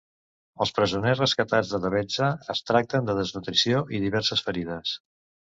Els presoners rescatats de Tebezza es tracten per desnutrició i diverses ferides.